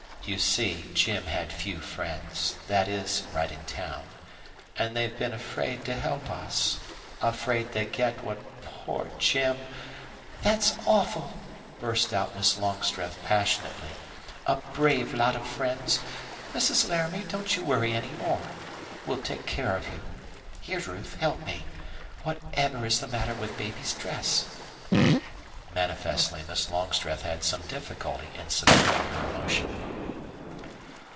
"You see, Jim had few friends that is, right in town. And they've been afraid to help us afraid they'd get what poor Jim " "That's awful!" burst out Miss Longstreth, passionately. "A brave lot of friends! Mrs. Laramie, don't you worry any more. We'll take care of you. Here, Ruth, help me. Whatever is the matter with baby's dress?" Manifestly Miss Longstreth had some difficulty in subduing her emotion.